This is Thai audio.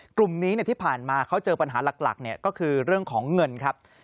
กลุ่มนี้ที่ผ่านมาเขาเจอปัญหาหลักก็คือเรื่องของเงินครับ